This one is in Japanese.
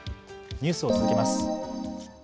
ニュースを続けます。